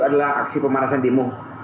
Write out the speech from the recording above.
itu adalah aksi pemanasan bimu